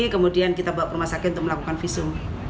kemudian kita bawa ke rumah sakit untuk melakukan visum